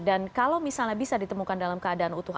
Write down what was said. dan kalau misalnya bisa ditemukan dalam keadaan utuh